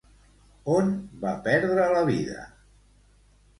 On va perdre la vida?